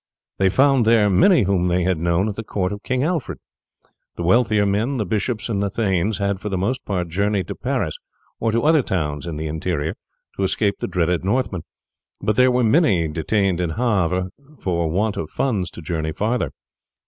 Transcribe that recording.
They found there many whom they had known at the court of King Alfred. The wealthier men, the bishops and thanes, had for the most part journeyed to Paris or to other towns in the interior to escape the dreaded Northmen; but there were many detained at Havre from want of funds to journey farther.